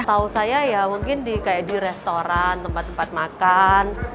setahu saya ya mungkin kayak di restoran tempat tempat makan